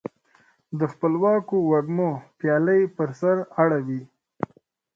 د خپلواکو وږمو پیالي پر سر اړوي